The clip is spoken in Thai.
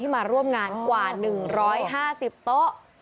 มาร่วมงานกว่า๑๕๐โต๊ะ